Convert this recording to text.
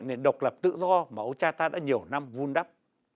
nền độc lập tự do mà ông cha ta đã nhiều năm vun đắp